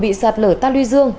bị sạt lở ta lưu dương